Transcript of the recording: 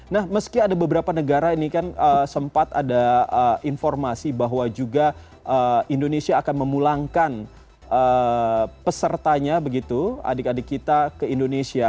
nah meski ada beberapa negara ini kan sempat ada informasi bahwa juga indonesia akan memulangkan pesertanya begitu adik adik kita ke indonesia